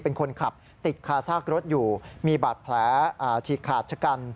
เป็นคนขับติดคาซากรถอยู่มีบาดแผลฉีกขาดชะกัน